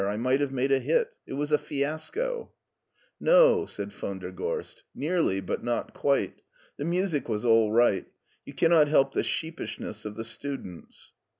I might have made a hit. It was a fiasco." No," said von der Gorst ;" nearly, but not quite. The music was all right. You cannot help the sheep ishness of the students."